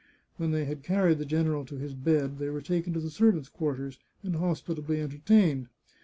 When they had carried the general to his bed, they were taken to the servants' quarters, and hospitably enter tained.